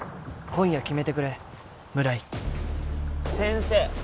今夜決めてくれ村井先生